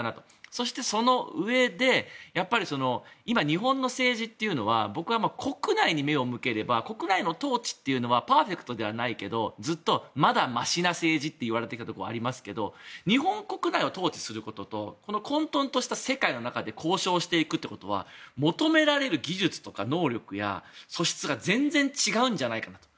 そして、そのうえで今、日本の政治というのは僕は国内に目を向ければ国内の統治というのはパーフェクトではないけどずっと、まだましな政治といわれてきたとこありますけど日本国内を統治することとこの混とんとした世界の中で交渉していくということは求められる技術や能力、素質が全然違うんじゃないかと。